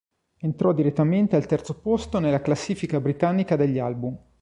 Entrò direttamente al terzo posto nella classifica britannica degli album.